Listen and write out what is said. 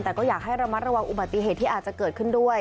แต่ก็อยากให้ระมัดระวังอุบัติเหตุที่อาจจะเกิดขึ้นด้วย